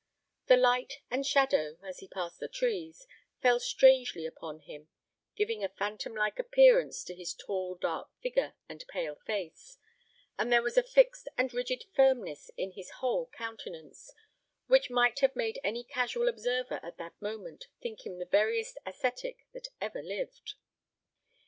The light and shadow, as he passed the trees, fell strangely upon him, giving a phantom like appearance to his tall dark figure and pale face; and there was a fixed and rigid firmness in his whole countenance which might have made any casual observer at that moment think him the veriest ascetic that ever lived.